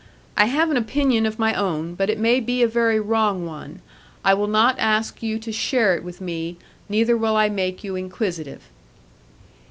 I have an opinion of my own; but it may be a very wrong one; I will not ask you to share it with me; neither will I make you inquisitive.'